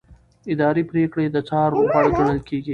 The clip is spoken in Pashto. اداري پریکړې د څار وړ ګڼل کېږي.